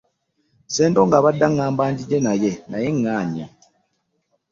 Ssentongo abadde aŋŋamba nzije naye naye ŋŋaanyi.